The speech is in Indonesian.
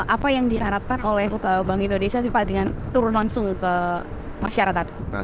apa yang diharapkan oleh bank indonesia sih pak dengan turun langsung ke masyarakat